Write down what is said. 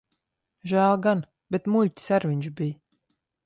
Žēl gan. Bet muļķis ar viņš bij.